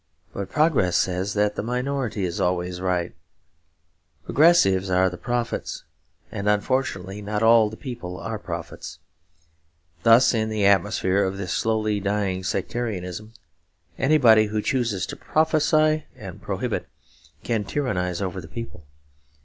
But progress says that the minority is always right. Progressives are prophets; and fortunately not all the people are prophets. Thus in the atmosphere of this slowly dying sectarianism anybody who chooses to prophesy and prohibit can tyrannise over the people.